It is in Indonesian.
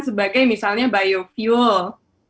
sebagai misalnya biofuel